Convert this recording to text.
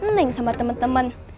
neng sama temen temen